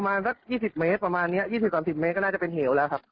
ห่างพอสมควรครับประมาณ๒๐๘๐เมตรก็น่าจะเป็นเหวแล้วครับ